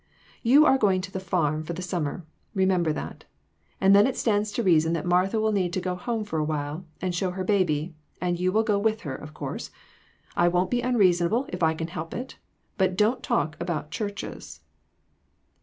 You are going to the farm for the summer, remember that. And then it stands to reason that Martha will need to go home for a while, and show her baby, and you will go with her, of course. I won't be unreasonable if I can help it, but don't talk about churches."